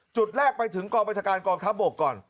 จุดแรกไปถึงกองบัญชาการกองทัพบกก่อน